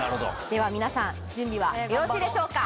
では皆さん準備はよろしいでしょうか？